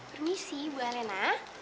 permisi bu alena